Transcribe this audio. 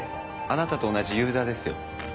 あなたと同じユーザーですよ。